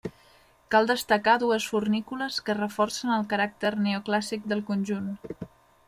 Cal destacar dues fornícules que reforcen el caràcter neoclàssic del conjunt.